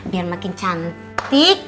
biar makin cantik